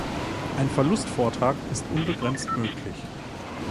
Ein Verlustvortrag ist unbegrenzt möglich.